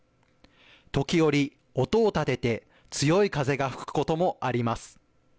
時折、音を立てて強い風が吹くこともあります。